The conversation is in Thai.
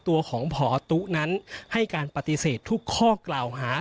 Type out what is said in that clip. ตัวของพอตุ๊นั้นให้การปฏิเสธทุกข้อกล่าวหา